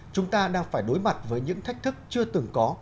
chúng ta đang phải đối mặt với những thách thức chưa từng có